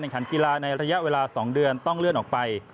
ขันกีฬาในระยะเวลา๒เดือนต้องเลื่อนออกไป